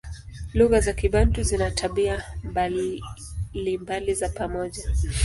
Lugha za Kibantu zina tabia mbalimbali za pamoja.